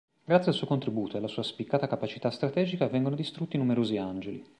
Grazie al suo contributo e alla sua spiccata capacità strategica vengono distrutti numerosi Angeli.